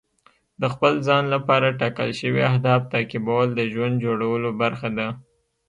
د خپل ځان لپاره ټاکل شوي اهداف تعقیبول د ژوند جوړولو برخه ده.